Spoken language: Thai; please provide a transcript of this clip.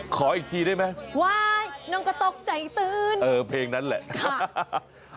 ขออีกทีได้ไหมว้ายน้องก็ตกใจตื่นเออเพลงนั้นแหละ